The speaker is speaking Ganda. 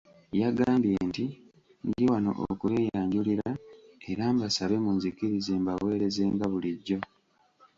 Yagambye nti, “Ndi wano okubeeyanjulira era mbasabe munzikirize mbaweereze nga bulijjo."